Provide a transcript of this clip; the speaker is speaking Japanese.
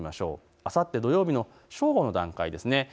あさって土曜日、正午の段階です。